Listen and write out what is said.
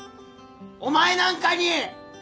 お前なんかに！